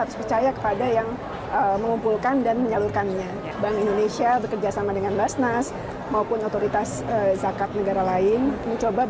sampai jumpa di video selanjutnya